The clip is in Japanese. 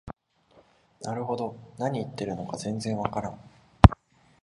なるほど、何言ってるのか全然わからん